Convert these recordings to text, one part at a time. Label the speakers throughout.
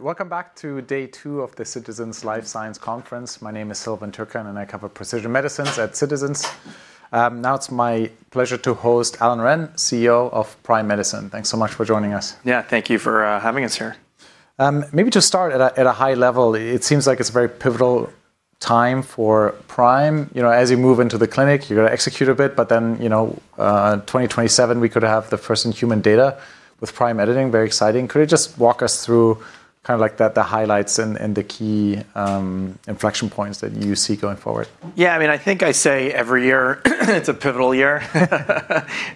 Speaker 1: Welcome back to day two of the Citi's Life Sciences Conference. My name is Silvan Tuerkcan, and I cover precision medicines at Citizens. Now it's my pleasure to host Allan Reine, CEO of Prime Medicine. Thanks so much for joining us.
Speaker 2: Yeah, thank you for having us here.
Speaker 1: Maybe just start at a high level. It seems like it's a very pivotal time for Prime. As you move into the clinic, you've got to execute a bit, but then 2027, we could have the first human data with Prime Editing. Very exciting. Could you just walk us through kind of like the highlights and the key inflection points that you see going forward?
Speaker 2: Yeah, I mean, I think I say every year it's a pivotal year.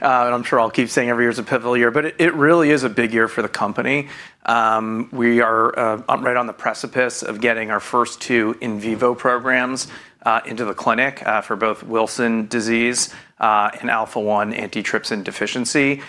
Speaker 2: I'm sure I'll keep saying every year is a pivotal year, but it really is a big year for the company. We are right on the precipice of getting our first two in vivo programs into the clinic for both Wilson's disease and alpha-1 antitrypsin deficiency.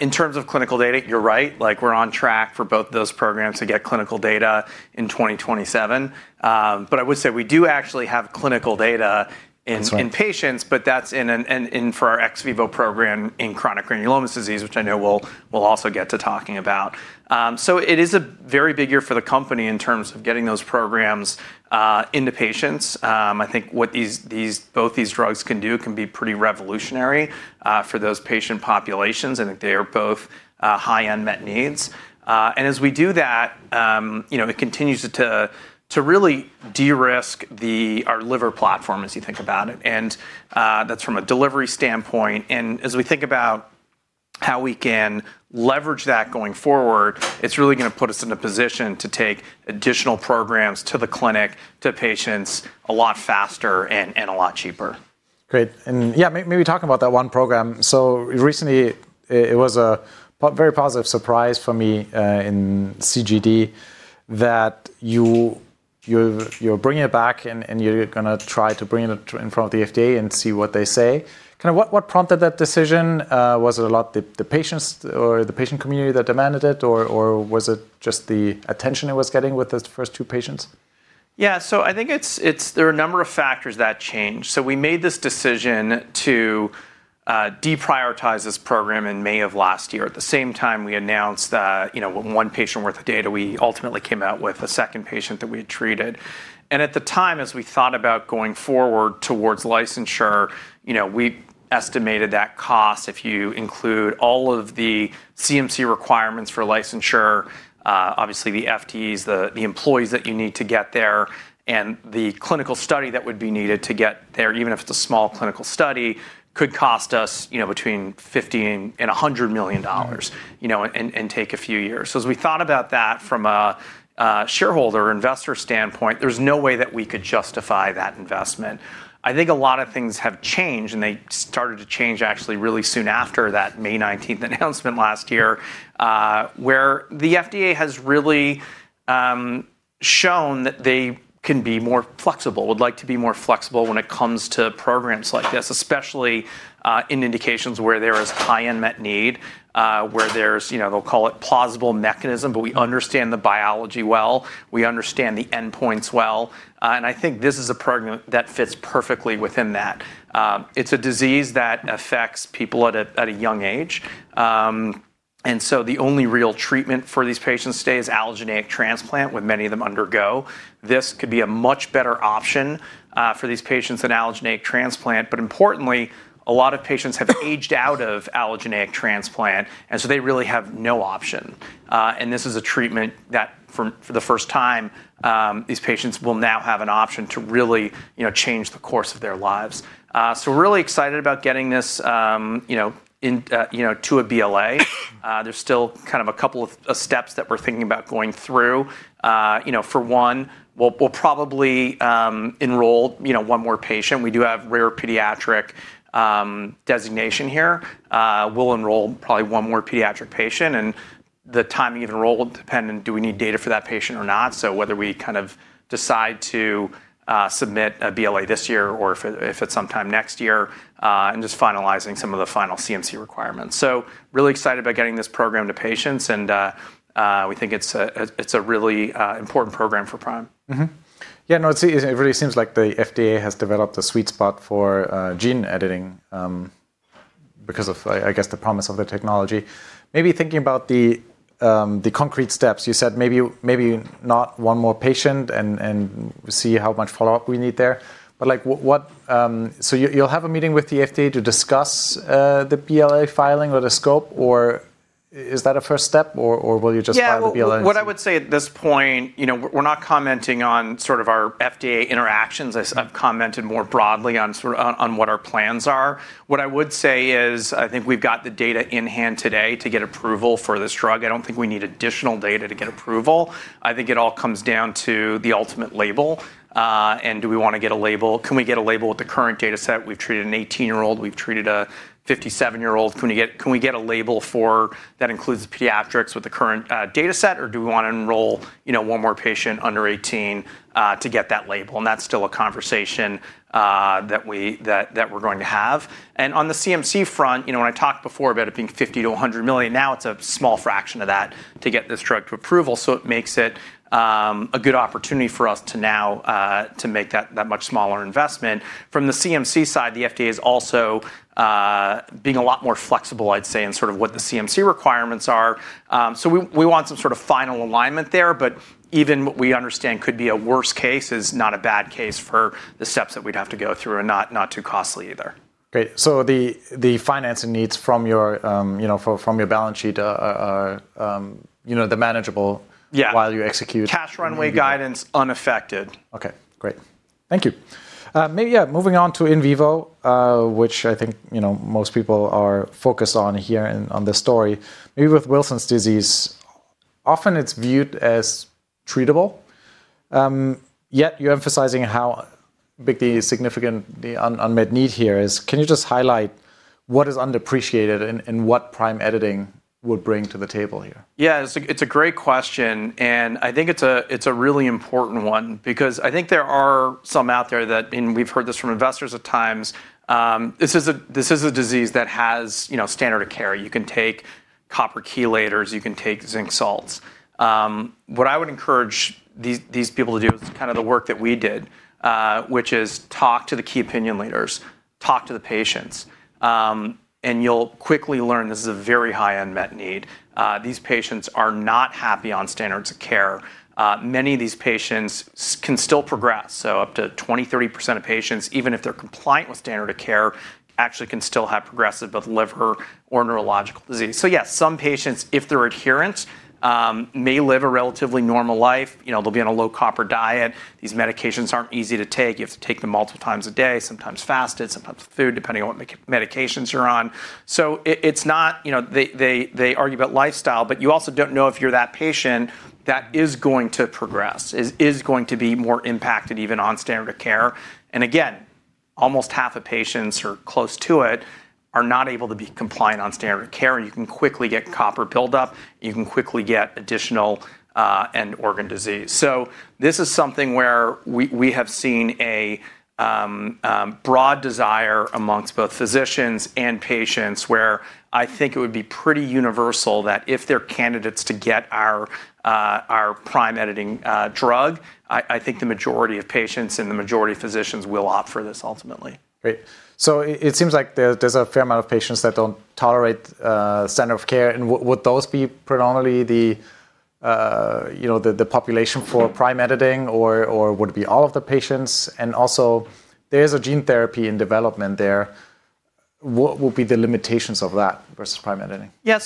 Speaker 2: In terms of clinical data, you're right, like, we're on track for both those programs to get clinical data in 2027. I would say we do actually have clinical data-
Speaker 1: That's right.
Speaker 2: In patients, but that's for our ex vivo program in chronic granulomatous disease, which I know we'll also get to talking about. It is a very big year for the company in terms of getting those programs into patients. I think what both these drugs can do can be pretty revolutionary for those patient populations, and I think they are both high unmet needs. As we do that it continues to really de-risk our liver platform, as you think about it. That's from a delivery standpoint. As we think about how we can leverage that going forward, it's really gonna put us in a position to take additional programs to the clinic, to patients a lot faster and a lot cheaper.
Speaker 1: Great. Yeah, maybe talk about that one program. Recently, it was a very positive surprise for me in CGD that you're bringing it back and you're gonna try to bring it in front of the FDA and see what they say. Kind of what prompted that decision? Was it a lot of the patients or the patient community that demanded it, or was it just the attention it was getting with those first two patients?
Speaker 2: I think there are a number of factors that changed. We made this decision to deprioritize this program in May of last year. At the same time, we announced that, you know, one patient worth of data, we ultimately came out with a second patient that we had treated. At the time, as we thought about going forward towards licensure we estimated that cost, if you include all of the CMC requirements for licensure, obviously the FTEs, the employees that you need to get there, and the clinical study that would be needed to get there, even if it's a small clinical study, could cost us, you know, between $50 million and $100 million.
Speaker 1: Mm-hmm
Speaker 2: You know and take a few years. As we thought about that from a shareholder investor standpoint, there's no way that we could justify that investment. I think a lot of things have changed, and they started to change actually really soon after that May nineteenth announcement last year. Where the FDA has really shown that they can be more flexible, would like to be more flexible when it comes to programs like this, especially in indications where there is high unmet need, where there's, they'll call it plausible mechanism, but we understand the biology well, we understand the endpoints well. I think this is a program that fits perfectly within that. It's a disease that affects people at a young age. The only real treatment for these patients stays allogeneic transplant, which many of them undergo. This could be a much better option for these patients than allogeneic transplant. Importantly, a lot of patients have aged out of allogeneic transplant, and so they really have no option. This is a treatment that for the first time these patients will now have an option to really, you know, change the course of their lives. We're really excited about getting this, in to a BLA. There's still kind of a couple of steps that we're thinking about going through. You know, for one, we'll probably enroll one more patient. We do have Rare Pediatric Disease Designation here. We'll enroll probably one more pediatric patient, and the timing of enrollment will depend on, do we need data for that patient or not. Whether we kind of decide to submit a BLA this year or if it's sometime next year, and just finalizing some of the final CMC requirements. Really excited about getting this program to patients, and we think it's a really important program for Prime.
Speaker 1: Yeah, no, it really seems like the FDA has developed a sweet spot for gene editing because of, I guess, the promise of the technology. Maybe thinking about the concrete steps, you said maybe not one more patient and see how much follow-up we need there. Like, what? You will have a meeting with the FDA to discuss the BLA filing or the scope, or is that a first step, or will you just file the BLA and see?
Speaker 2: Well, what I would say at this point, you know, we're not commenting on sort of our FDA interactions. I've commented more broadly on what our plans are. What I would say is, I think we've got the data in hand today to get approval for this drug. I don't think we need additional data to get approval. I think it all comes down to the ultimate label, and do we wanna get a label? Can we get a label with the current dataset? We've treated an 18-year-old, we've treated a 57-year-old. Can we get a label that includes the pediatrics with the current dataset, or do we wanna enroll, you know, one more patient under 18 to get that label? That's still a conversation that we're going to have. On the CMC front, you know, when I talked before about it being $50 million-$100 million, now it's a small fraction of that to get this drug to approval, so it makes it a good opportunity for us to now to make that much smaller investment. From the CMC side, the FDA is also being a lot more flexible, I'd say, in sort of what the CMC requirements are. So we want some sort of final alignment there, but even what we understand could be a worst case is not a bad case for the steps that we'd have to go through, and not too costly either.
Speaker 1: Great. The financing needs from your, you know, from your balance sheet, are, you know, they're manageable.
Speaker 2: Yeah
Speaker 1: While you execute.
Speaker 2: Cash runway guidance unaffected.
Speaker 1: Okay, great. Thank you. Maybe, yeah, moving on to in vivo, which I think, you know, most people are focused on here and on this story, maybe with Wilson's disease, often it's viewed as treatable, yet you're emphasizing how big the significant unmet need here is. Can you just highlight what is underappreciated and what Prime Editing would bring to the table here?
Speaker 2: Yeah, it's a great question, and I think it's a really important one because I think there are some out there that, and we've heard this from investors at times, this is a disease that has, you know, standard of care. You can take copper chelators, you can take zinc salts. What I would encourage these people to do is kind of the work that we did, which is talk to the key opinion leaders, talk to the patients, and you'll quickly learn this is a very high unmet need. These patients are not happy on standards of care. Many of these patients can still progress, so up to 20-30% of patients, even if they're compliant with standard of care, actually can still have progressive, both liver or neurological disease. Yes, some patients, if they're adherent, may live a relatively normal life. They'll be on a low copper diet. These medications aren't easy to take. You have to take them multiple times a day, sometimes fasted, sometimes with food, depending on what medications you're on. It's not, you know, they argue about lifestyle, but you also don't know if you're that patient that is going to progress, is going to be more impacted even on standard of care. Again, almost half of patients or close to it are not able to be compliant on standard of care, and you can quickly get copper buildup, you can quickly get additional end organ disease. This is something where we have seen a broad desire among both physicians and patients, where I think it would be pretty universal that if they're candidates to get our Prime Editing drug, I think the majority of patients and the majority of physicians will opt for this ultimately.
Speaker 1: Great. It seems like there's a fair amount of patients that don't tolerate standard of care, and would those be predominantly you know the population for Prime Editing or would it be all of the patients? Also there's a gene therapy in development there. What would be the limitations of that versus Prime Editing?
Speaker 2: Yeah.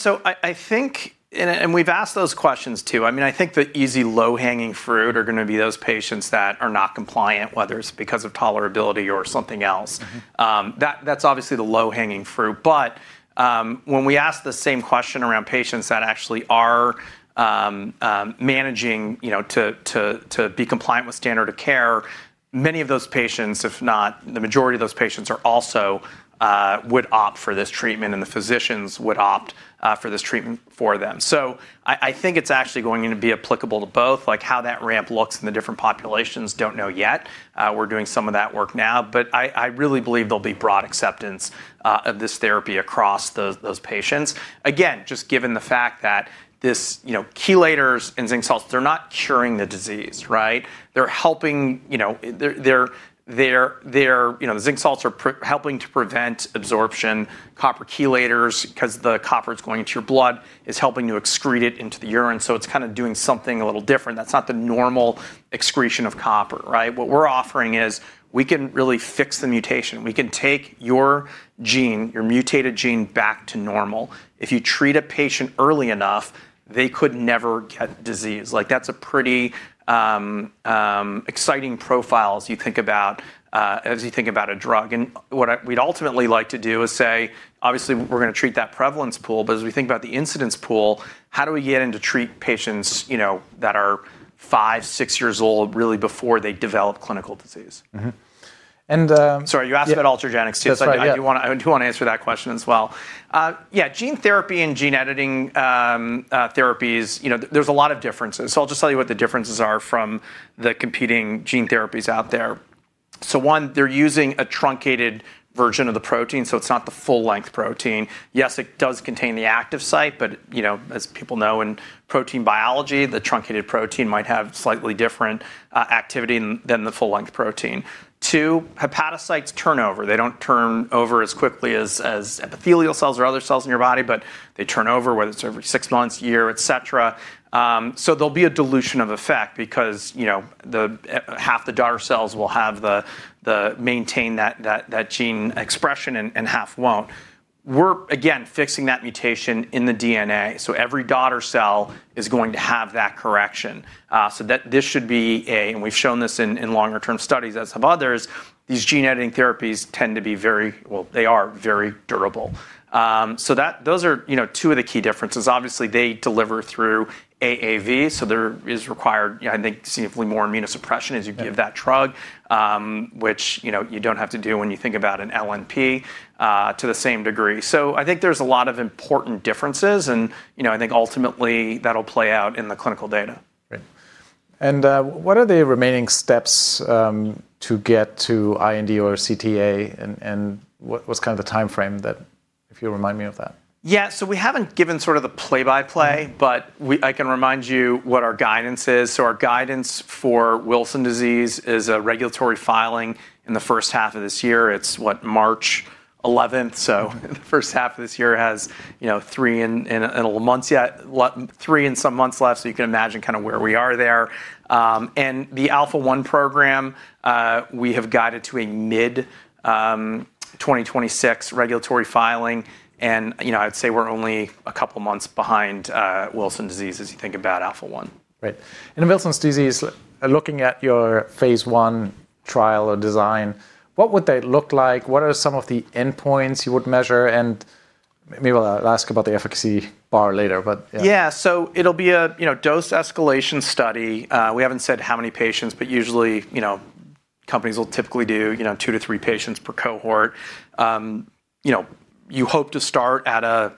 Speaker 2: I think, and we've asked those questions too. I mean, I think the easy low-hanging fruit are gonna be those patients that are not compliant, whether it's because of tolerability or something else.
Speaker 1: Mm-hmm.
Speaker 2: That's obviously the low-hanging fruit. When we ask the same question around patients that actually are managing, you know, to be compliant with standard of care, many of those patients, if not the majority of those patients, are also would opt for this treatment and the physicians would opt for this treatment for them. I think it's actually going to be applicable to both, like how that ramp looks in the different populations, don't know yet. We're doing some of that work now. I really believe there'll be broad acceptance of this therapy across those patients. Again, just given the fact that this, you know, chelators and zinc salts, they're not curing the disease, right? They're helping, you know, they're you know the zinc salts are helping to prevent absorption, copper chelators, 'cause the copper is going into your blood, is helping to excrete it into the urine, so it's kind of doing something a little different. That's not the normal excretion of copper, right? What we're offering is we can really fix the mutation. We can take your gene, your mutated gene back to normal. If you treat a patient early enough, they could never get disease. Like that's a pretty exciting profile as you think about a drug. What we'd ultimately like to do is say, obviously we're gonna treat that prevalence pool, but as we think about the incidence pool, how do we get in to treat patients, you know, that are 5, 6 years old, really before they develop clinical disease?
Speaker 1: Mm-hmm.
Speaker 2: Sorry, you asked about Ultragenyx too.
Speaker 1: That's right. Yeah.
Speaker 2: I do wanna answer that question as well. Yeah, gene therapy and gene editing therapies, you know, there's a lot of differences. I'll just tell you what the differences are from the competing gene therapies out there. One, they're using a truncated version of the protein, so it's not the full length protein. Yes, it does contain the active site, but you know, as people know in protein biology, the truncated protein might have slightly different activity than the full length protein. Two, hepatocytes turnover, they don't turn over as quickly as epithelial cells or other cells in your body, but they turn over, whether it's every six months, a year, et cetera. There'll be a dilution of effect because, you know, half the daughter cells will have the maintain that gene expression and half won't. We're again fixing that mutation in the DNA, so every daughter cell is going to have that correction. That this should be a... We've shown this in longer term studies, as have others. These gene editing therapies tend to be very, well, they are very durable. Those are, you know, two of the key differences. Obviously, they deliver through AAV, so there is required, I think, significantly more immunosuppression as you give that drug, which you don't have to do when you think about an LNP to the same degree. I think there's a lot of important differences and, you know, I think ultimately that'll play out in the clinical data.
Speaker 1: Great. What are the remaining steps to get to IND or CTA and what is the timeframe that, if you'll remind me of that?
Speaker 2: Yeah. We haven't given sort of the play-by-play.
Speaker 1: Mm-hmm
Speaker 2: I can remind you what our guidance is. Our guidance for Wilson disease is a regulatory filing in the first half of this year. It's what, March eleventh. The first half of this year has three and little months yet. Three and some months left, so you can imagine kind of where we are there. And the alpha-1 program, we have guided to a mid 2026 regulatory filing, and you know, I'd say we're only a couple months behind Wilson disease as you think about Alpha-1.
Speaker 1: Right. In Wilson's disease, looking at your phase 1 trial or design, what would they look like? What are some of the endpoints you would measure? Maybe we'll ask about the efficacy bar later, but yeah.
Speaker 2: Yeah. It'll be a, you know, dose escalation study. We haven't said how many patients, but usually, you know, companies will typically do, you know, two to three patients per cohort. You know, you hope to start at a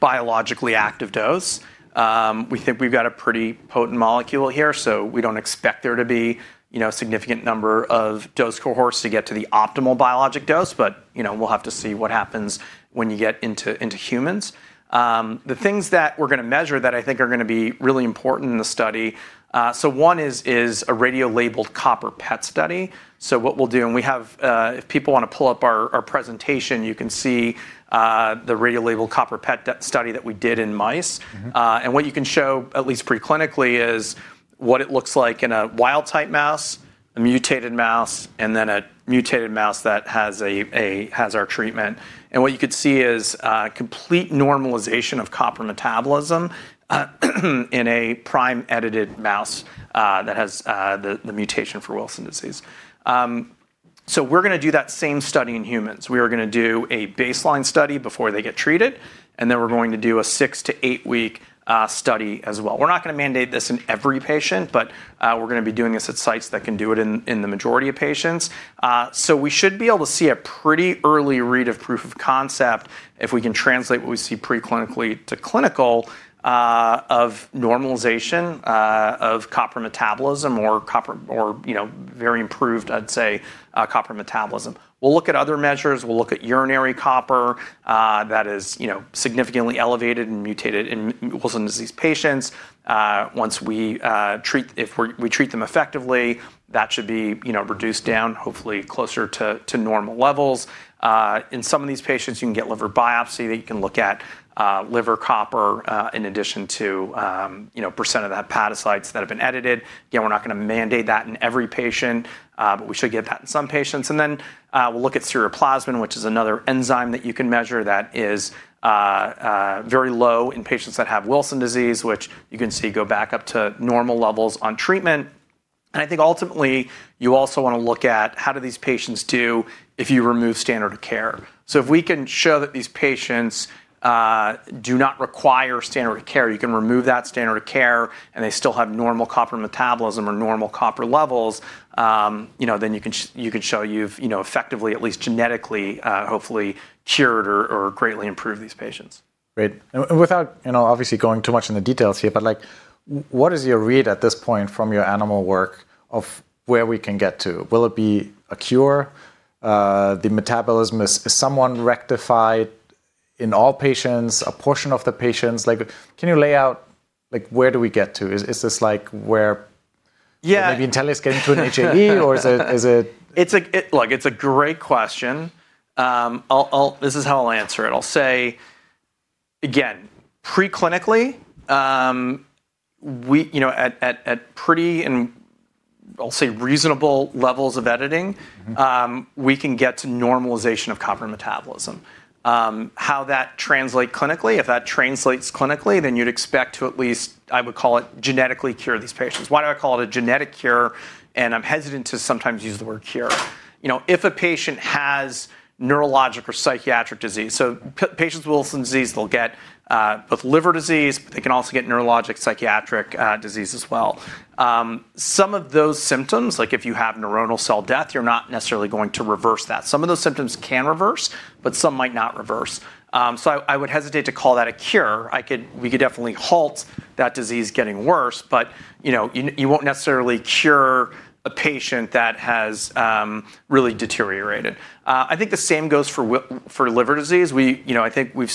Speaker 2: biologically active dose. We think we've got a pretty potent molecule here, so we don't expect there to be, you know, a significant number of dose cohorts to get to the optimal biologic dose. We'll have to see what happens when you get into humans. The things that we're gonna measure that I think are gonna be really important in the study, so one is a radiolabeled copper PET study. What we'll do, and we have, if people wanna pull up our presentation, you can see the radiolabeled copper PET study that we did in mice.
Speaker 1: Mm-hmm.
Speaker 2: What you can show at least pre-clinically is what it looks like in a wild-type mouse, a mutated mouse, and then a mutated mouse that has our treatment. What you could see is complete normalization of copper metabolism in a Prime-edited mouse that has the mutation for Wilson disease. We're gonna do that same study in humans. We are gonna do a baseline study before they get treated, and then we're going to do a six to eight week study as well. We're not gonna mandate this in every patient, but we're gonna be doing this at sites that can do it in the majority of patients. We should be able to see a pretty early read of proof of concept if we can translate what we see preclinically to clinical, of normalization of copper metabolism or copper or, you know, very improved, I'd say, copper metabolism. We'll look at other measures. We'll look at urinary copper, that is, you know, significantly elevated and mutated in Wilson disease patients. Once we treat them effectively, that should be, you know, reduced down, hopefully closer to normal levels. In some of these patients, you can get liver biopsy that you can look at, liver copper, in addition to, you know, percent of the hepatocytes that have been edited. Again, we're not gonna mandate that in every patient, but we should get that in some patients. We'll look at ceruloplasmin, which is another enzyme that you can measure that is very low in patients that have Wilson disease, which you can see go back up to normal levels on treatment. I think ultimately, you also wanna look at how do these patients do if you remove standard of care. If we can show that these patients do not require standard of care, you can remove that standard of care, and they still have normal copper metabolism or normal copper levels, you know, then you could show you've, you know, effectively, at least genetically, hopefully cured or greatly improved these patients.
Speaker 1: Great. Without, you know, obviously going too much into details here, but like what is your read at this point from your animal work of where we can get to? Will it be a cure? The metabolism, is it rectified in all patients, a portion of the patients? Like, can you lay out, like, where do we get to? Is this like where?
Speaker 2: Yeah.
Speaker 1: the intelligence getting to an HIE or is it?
Speaker 2: Look, it's a great question. This is how I'll answer it. I'll say, again, preclinically, we, you know, at pretty and I'll say reasonable levels of editing.
Speaker 1: Mm-hmm
Speaker 2: We can get to normalization of copper metabolism. How that translates clinically, if that translates clinically, then you'd expect to at least, I would call it, genetically cure these patients. Why do I call it a genetic cure, and I'm hesitant to sometimes use the word cure? You know, if a patient has neurologic or psychiatric disease, patients with Wilson's disease, they'll get both liver disease, but they can also get neurologic or psychiatric disease as well. Some of those symptoms, like if you have neuronal cell death, you're not necessarily going to reverse that. Some of those symptoms can reverse, but some might not reverse. I would hesitate to call that a cure. We could definitely halt that disease getting worse, but you know, you won't necessarily cure a patient that has really deteriorated. I think the same goes for liver disease. We, you know, I think we've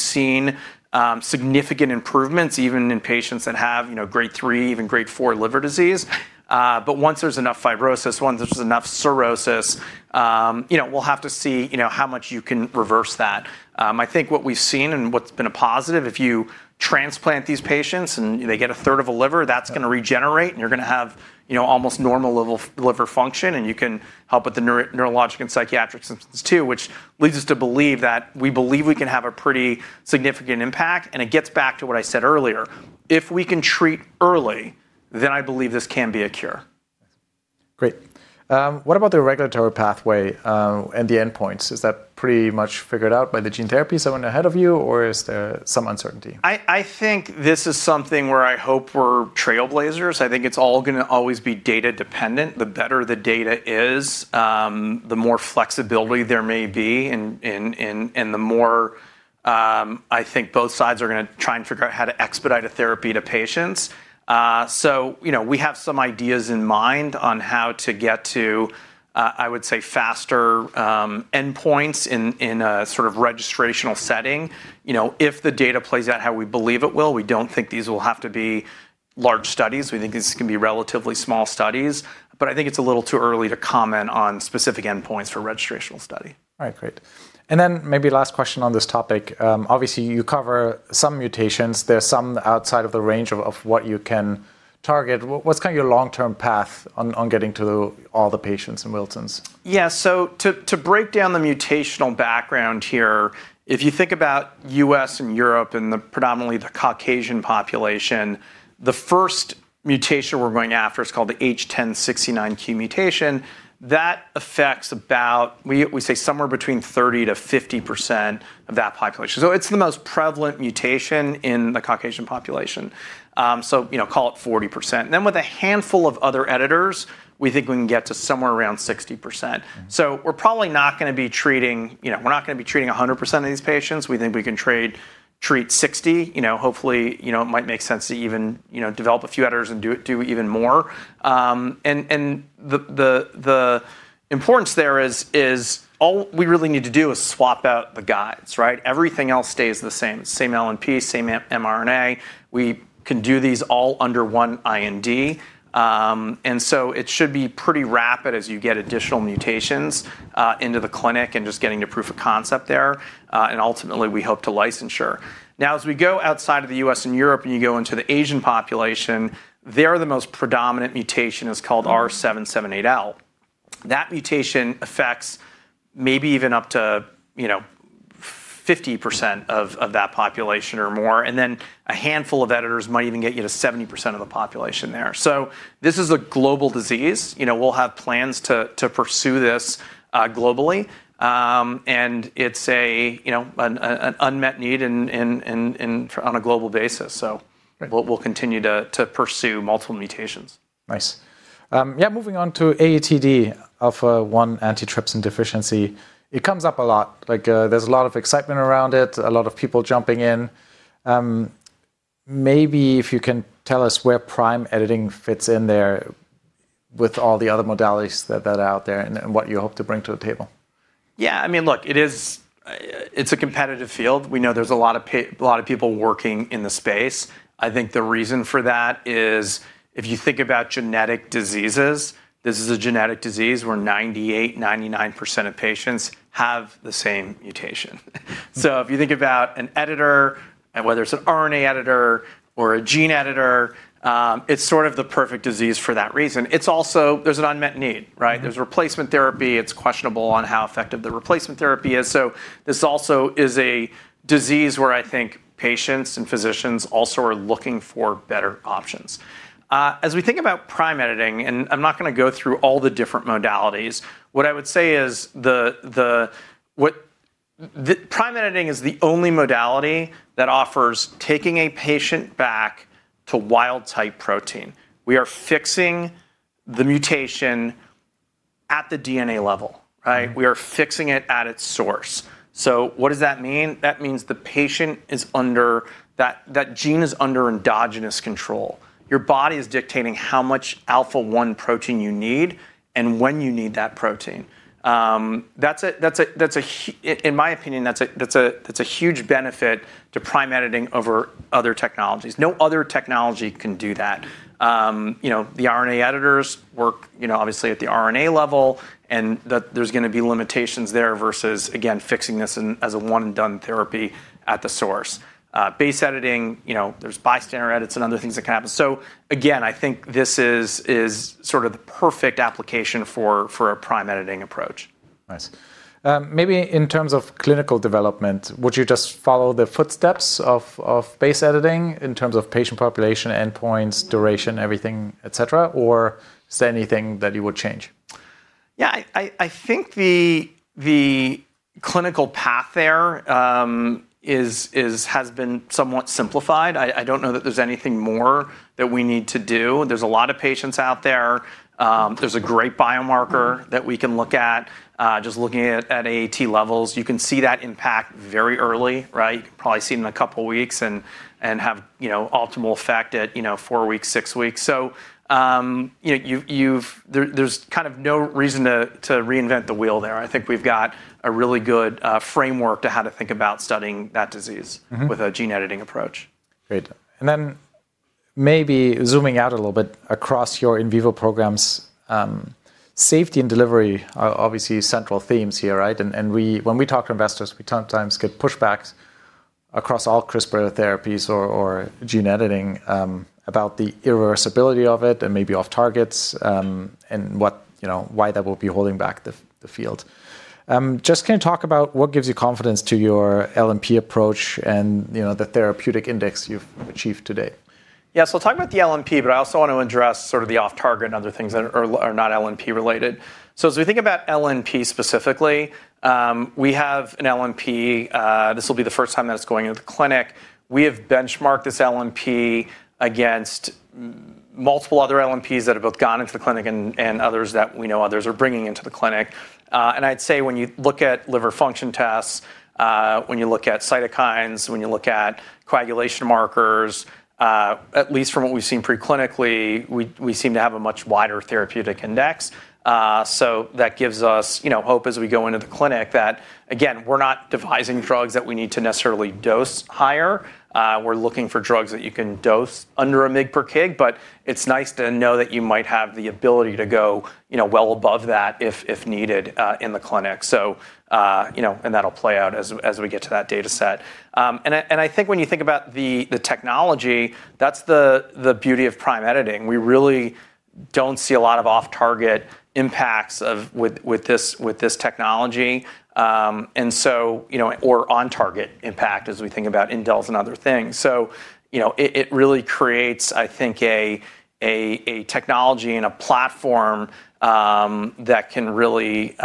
Speaker 2: seen significant improvements even in patients that have, you know, grade three, even grade four liver disease. Once there's enough fibrosis, once there's enough cirrhosis, you know, we'll have to see, you know, how much you can reverse that. I think what we've seen and what's been a positive, if you transplant these patients and they get a third of a liver, that's gonna regenerate, and you're gonna have, you know, almost normal level liver function, and you can help with the neurologic and psychiatric symptoms too, which leads us to believe we can have a pretty significant impact, and it gets back to what I said earlier. If we can treat early, then I believe this can be a cure.
Speaker 1: Great. What about the regulatory pathway, and the endpoints? Is that pretty much figured out by the gene therapy, so ahead of you, or is there some uncertainty?
Speaker 2: I think this is something where I hope we're trailblazers. I think it's all gonna always be data dependent. The better the data is, the more flexibility there may be, and the more, I think both sides are gonna try and figure out how to expedite a therapy to patients. We have some ideas in mind on how to get to, I would say, faster endpoints in a sort of registrational setting. If the data plays out how we believe it will, we don't think these will have to be large studies. We think these can be relatively small studies. I think it's a little too early to comment on specific endpoints for registrational study.
Speaker 1: All right, great. Maybe last question on this topic. Obviously, you cover some mutations. There are some outside of the range of what you can target, what's kind of your long-term path on getting to all the patients in Wilson's?
Speaker 2: Yeah. To break down the mutational background here, if you think about U.S. and Europe and the predominantly the Caucasian population, the first mutation we're going after is called the H1069Q mutation. That affects about we say somewhere between 30%-50% of that population. It's the most prevalent mutation in the Caucasian population. Call it 40%. Then with a handful of other editors, we think we can get to somewhere around 60%. We're probably not gonna be treating, you know, we're not gonna be treating 100% of these patients. We think we can treat 60%, you know, hopefully, you know, it might make sense to even, you know, develop a few editors and do even more. The importance there is all we really need to do is swap out the guides, right? Everything else stays the same LNP, same mRNA. We can do these all under one IND, and so it should be pretty rapid as you get additional mutations into the clinic and just getting to proof of concept there, and ultimately, we hope to licensure. Now as we go outside of the U.S. and Europe, and you go into the Asian population, there, the most predominant mutation is called R778L. That mutation affects maybe even up to, you know, 50% of that population or more, and then a handful of editors might even get you to 70% of the population there. So this is a global disease. We'll have plans to pursue this globally, and it's, you know, an unmet need on a global basis.
Speaker 1: Right
Speaker 2: We'll continue to pursue multiple mutations.
Speaker 1: Nice. Yeah, moving on to AATD, alpha-1 antitrypsin deficiency, it comes up a lot. Like, there's a lot of excitement around it, a lot of people jumping in. Maybe if you can tell us where Prime Editing fits in there with all the other modalities that are out there and what you hope to bring to the table.
Speaker 2: Yeah. I mean, look, it is. It's a competitive field. We know there's a lot of people working in the space. I think the reason for that is if you think about genetic diseases, this is a genetic disease where 98%-99% of patients have the same mutation. If you think about an editor and whether it's an RNA editor or a gene editor, it's sort of the perfect disease for that reason. It's also, there's an unmet need, right?
Speaker 1: Mm-hmm.
Speaker 2: There's replacement therapy. It's questionable on how effective the replacement therapy is. This also is a disease where I think patients and physicians also are looking for better options. As we think about Prime Editing, and I'm not gonna go through all the different modalities, what I would say is the Prime Editing is the only modality that offers taking a patient back to wild-type protein. We are fixing the mutation at the DNA level, right?
Speaker 1: Mm-hmm.
Speaker 2: We are fixing it at its source. What does that mean? That means the patient is under that gene is under endogenous control. Your body is dictating how much alpha-1 protein you need and when you need that protein. In my opinion, that's a huge benefit to Prime Editing over other technologies. No other technology can do that. You know, the RNA editors work, you know, obviously at the RNA level, and there's gonna be limitations there versus, again, fixing this in as a one and done therapy at the source. Base editing, you know, there's bystander edits and other things that can happen. Again, I think this is sort of the perfect application for a Prime Editing approach.
Speaker 1: Nice. Maybe in terms of clinical development, would you just follow the footsteps of base editing in terms of patient population, endpoints, duration, everything, etcetera, or is there anything that you would change?
Speaker 2: Yeah. I think the clinical path there has been somewhat simplified. I don't know that there's anything more that we need to do. There's a lot of patients out there. There's a great biomarker.
Speaker 1: Mm-hmm
Speaker 2: that we can look at, just looking at AAT levels. You can see that impact very early, right? Probably see 'em in a couple weeks and have, you know, optimal effect at, you know, 4 weeks, 6 weeks. There's kind of no reason to reinvent the wheel there. I think we've got a really good framework to how to think about studying that disease.
Speaker 1: Mm-hmm
Speaker 2: with a gene editing approach.
Speaker 1: Great. Maybe zooming out a little bit across your in vivo programs, safety and delivery are obviously central themes here, right? We, when we talk to investors, we sometimes get pushbacks across all CRISPR therapies or gene editing about the irreversibility of it and maybe off targets, and what, you know, why that will be holding back the field. Just can you talk about what gives you confidence in your LNP approach and, you know, the therapeutic index you've achieved to date?
Speaker 2: Yeah. I'll talk about the LNP, but I also want to address sort of the off target and other things that are not LNP related. As we think about LNP specifically, we have an LNP, this will be the first time that it's going into the clinic. We have benchmarked this LNP against multiple other LNPs that have both gone into the clinic and others that we know others are bringing into the clinic. I'd say when you look at liver function tests, when you look at cytokines, when you look at coagulation markers, at least from what we've seen pre-clinically, we seem to have a much wider therapeutic index. That gives us, you know, hope as we go into the clinic that again, we're not devising drugs that we need to necessarily dose higher. We're looking for drugs that you can dose under 1 mg per kg, but it's nice to know that you might have the ability to go, you know, well above that if needed in the clinic. You know, that'll play out as we get to that data set. I think when you think about the technology, that's the beauty of Prime Editing. We really don't see a lot of off-target impacts with this technology. You know, or on-target impact as we think about indels and other things. You know, it really creates, I think, a technology and a platform that can really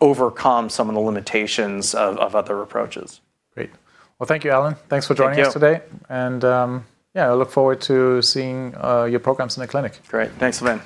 Speaker 2: overcome some of the limitations of other approaches.
Speaker 1: Great. Well, thank you, Allan. Thanks for joining us today.
Speaker 2: Thank you.
Speaker 1: Yeah, I look forward to seeing your programs in the clinic.
Speaker 2: Great. Thanks, Silvan.